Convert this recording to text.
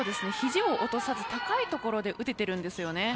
肘を落とさず高いところで打てているんです。